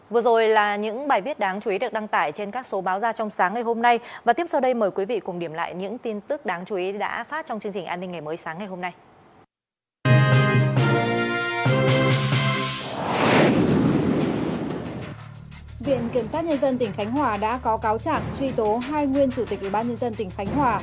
viện kiểm sát nhân dân tỉnh khánh hòa đã có cáo chẳng truy tố hai nguyên chủ tịch ubnd tỉnh khánh hòa